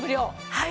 はい！